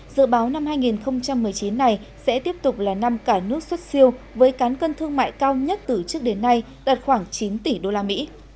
dự báo năm hai nghìn một mươi chín này sẽ tiếp tục là năm cả nước xuất siêu với cán cân thương mại cao nhất từ trước đến nay đạt khoảng chín tỷ đô la mỹ